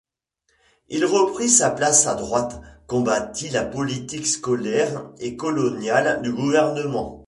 Il reprit sa place à droite, combattit la politique scolaire et coloniale du gouvernement.